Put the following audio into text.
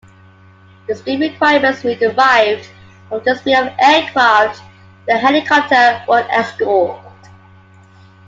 The speed requirements were derived from the speed of aircraft the helicopter would escort.